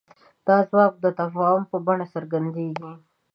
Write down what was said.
دا ځواک د تفاهم په بڼه څرګندېږي.